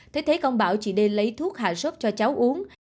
thế thấy công bảo chị đê lấy thuốc hạ sốt cho cháu uống